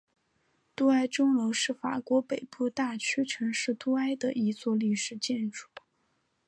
杜埃钟楼是法国北部大区城市杜埃的一座历史建筑。